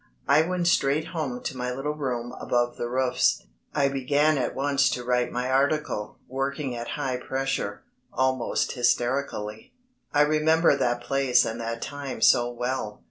I went straight home to my little room above the roofs. I began at once to write my article, working at high pressure, almost hysterically. I remember that place and that time so well.